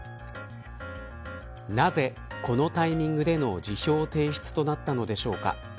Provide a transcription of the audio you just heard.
なぜこのタイミングでの辞表提出となったのでしょうか。